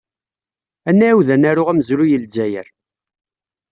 Ad nɛawed ad naru amezruy n Lezzayer.